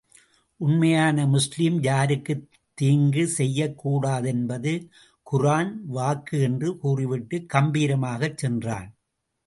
உண்மையான முஸ்லிம் யாருக்கும் தீங்கு செய்யக் கூடாதென்பது குரான் வாக்கு என்று கூறிவிட்டுக் கம்பீரமாகச் சென்றான்.